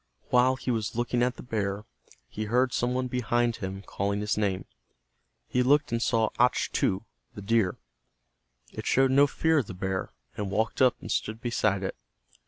While he was looking at the bear, he heard some one behind, him calling his name. He looked and saw Achtu, the deer. It showed no fear of the bear, and walked up and stood beside it.